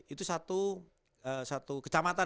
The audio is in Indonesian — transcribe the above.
itu satu kecamatan